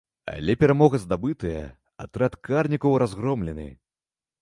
Але перамога здабытая, атрад карнікаў разгромлены.